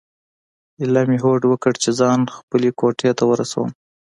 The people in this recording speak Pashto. ایله مې هوډ وکړ چې ځان خپلو کوټې ته ورسوم.